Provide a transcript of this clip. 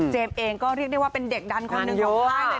เองก็เรียกได้ว่าเป็นเด็กดันคนหนึ่งของค่ายเลย